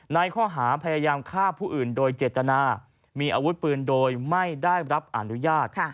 ในข้อหาพยายามฆ่าผู้อื่นโดยเจตนามีอาวุธปืนโดยไม่ได้รับอนุญาต